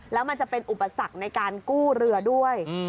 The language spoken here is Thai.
แล้วมันจะเป็นอุปสรรคในการกู้เรือด้วย